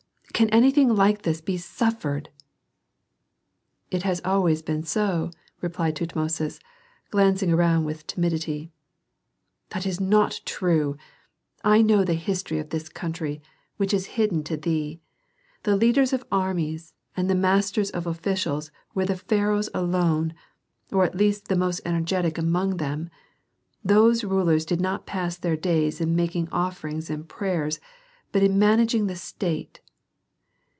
Can anything like this be suffered?" "It has always been so," replied Tutmosis, glancing around with timidity. "That is not true! I know the history of this country, which is hidden to thee. The leaders of armies and the masters of officials were the pharaohs alone, or at least the most energetic among them. Those rulers did not pass their days in making offerings and prayers, but in managing the state."